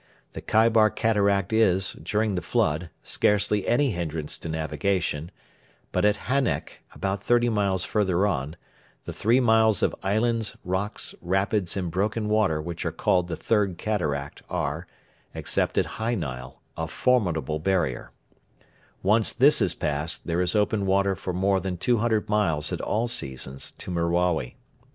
The Kaibar Cataract is, during the flood, scarcely any hindrance to navigation; but at Hannek, about thirty miles further on, the three miles of islands, rocks, rapids, and broken water which are called the Third Cataract are, except at high Nile, a formidable barrier, Once this is passed, there is open water for more than 200 miles at all seasons to Merawi.